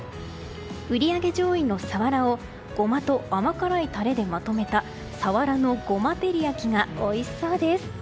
売り上げ上位のサワラをごまと甘辛いタレでまとめたサワラのごま照り焼きがおいしそうです。